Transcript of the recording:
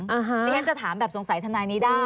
เดี๋ยวฉันจะถามแบบสงสัยทนายนิด้า